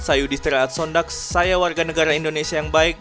saya yudi strelat sondak saya warga negara indonesia yang baik